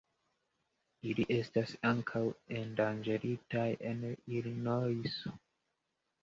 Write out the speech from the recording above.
Ili estas ankaŭ endanĝeritaj en Ilinojso.